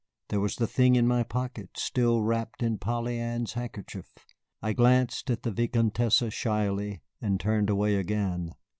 There was the thing in my pocket, still wrapped in Polly Ann's handkerchief. I glanced at the Vicomtesse shyly, and turned away again.